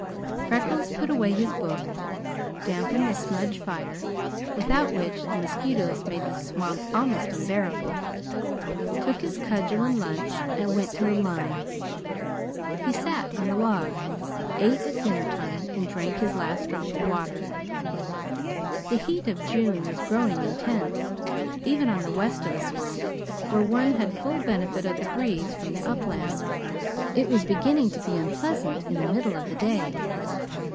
Freckles put away his book, dampened the smudge fire, without which the mosquitoes made the swamp almost unbearable, took his cudgel and lunch, and went to the line. He sat on a log, ate at dinner time and drank his last drop of water. The heat of June was growing intense. Even on the west of the swamp, where one had full benefit of the breeze from the upland, it was beginning to be unpleasant in the middle of the day.